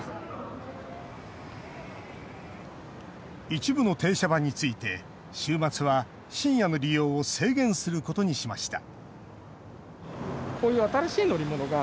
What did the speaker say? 一部の停車場について週末は深夜の利用を制限することにしました。